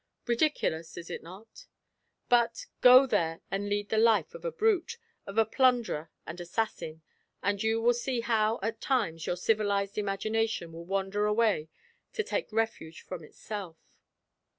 Ridiculous, is it not? But, go there and lead the life of a brute, of a plunderer and assassin, and you will see how at times your civilized imagination will wander away to take refuge from itself.